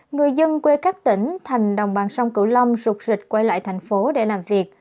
người dân quê các tỉnh thành đồng bằng sông cửu long rụt rịch quay lại thành phố để làm việc